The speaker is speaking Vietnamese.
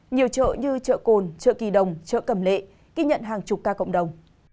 nhiều chợ như chợ cồn chợ kỳ đồng chợ cẩm lệ ghi nhận hàng chục ca cộng đồng